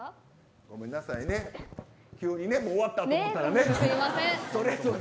ごめんなさいね終わったと思ったらね。